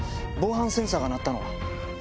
防犯センサーが鳴ったのは？